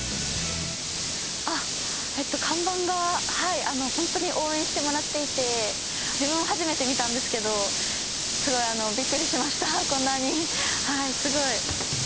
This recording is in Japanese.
あ、看板が、本当に応援してもらっていて、自分、初めて見たんですけど、すごいびっくりしました、こんなにすごい。